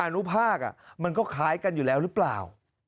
อนุภาคมันก็คล้ายกันอยู่แล้วหรือเปล่า